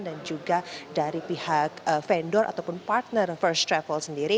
juga dari pihak vendor ataupun partner first travel sendiri